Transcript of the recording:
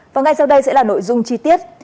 và ngay sau đây sẽ là nội dung chi tiết